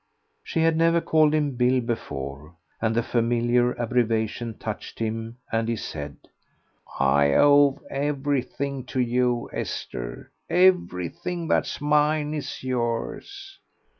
She had never called him Bill before, and the familiar abbreviation touched him, and he said "I owe everything to you, Esther; everything that's mine is yours.